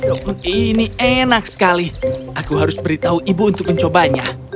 dong ini enak sekali aku harus beritahu ibu untuk mencobanya